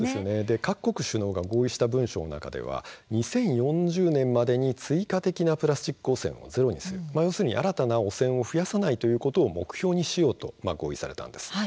各国首脳が合意した文書の中には、２０４０年までに追加的なプラスチック汚染をゼロにする、つまり新たな汚染を増やさないということが目標に盛り込まれたんです。